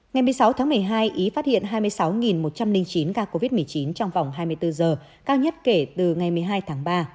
ngày một mươi sáu tháng một mươi hai ý phát hiện hai mươi sáu một trăm linh chín ca covid một mươi chín trong vòng hai mươi bốn giờ cao nhất kể từ ngày một mươi hai tháng ba